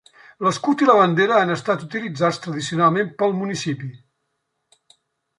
L'escut i la bandera han estat utilitzats tradicionalment pel municipi.